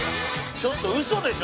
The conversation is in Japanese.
ちょっと、嘘でしょ。